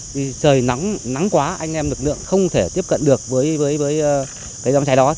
trời nắng quá anh em lực lượng không thể tiếp cận được với cái dòng cháy đó